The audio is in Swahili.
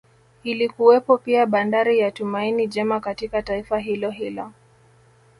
Ilikuwepo pia Bandari ya Tumaini Jema katika taifa hilo hilo